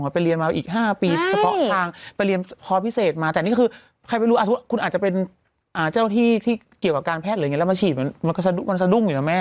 เพราะพี่หนุ่มก็เติมเยอะเหมือนกันนะ